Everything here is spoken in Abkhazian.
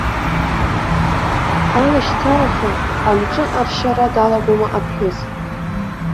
Алашьцараха, амҿы аршьара далагома аԥҳәыс.